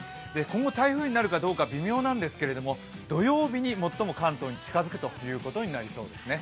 今後台風になるかどうか微妙なんですけれども、土曜日に最も関東に近づくということになりそうですね。